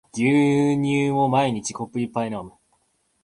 牛乳を毎日コップ一杯飲む